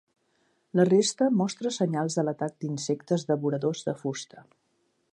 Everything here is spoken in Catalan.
La resta mostra senyals de l'atac d'insectes devoradors de fusta.